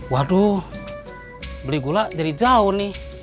waduh beli gula jadi jauh nih